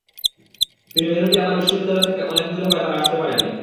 কিন্তু ভেন্যুটি আমার বিশ্ববিদ্যালয় থেকে অনেক দূরে হওয়ায় তারা আসতে পারেনি।